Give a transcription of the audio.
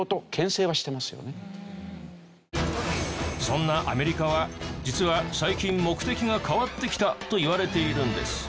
そんなアメリカは実は最近目的が変わってきたといわれているんです。